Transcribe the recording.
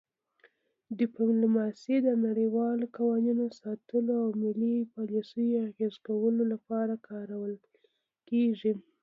ډیپلوماسي د نړیوالو قوانینو ساتلو او ملي پالیسیو اغیزه کولو لپاره کارول کیږي